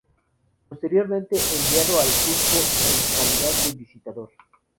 Posteriormente enviado al Cuzco en calidad de visitador.